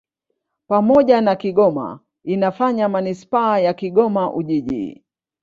Pamoja na Kigoma inafanya manisipaa ya Kigoma-Ujiji.